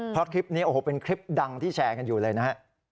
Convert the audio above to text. เพราะคลิปนี้โอ้โหเป็นคลิปดังที่แชร์กันอยู่เลยนะฮะ